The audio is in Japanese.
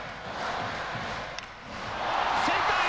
センターへ！